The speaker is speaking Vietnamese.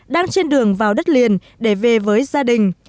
đang trên đường vào đất liền để về với gia đình